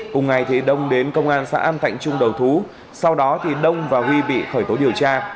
cùng ngày thì đông đến công an xã an thạnh trung đầu thú sau đó thì đông và huy bị khởi tố điều tra